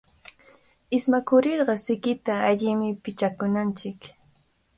Ismakurirqa sikita allimi pichakunanchik.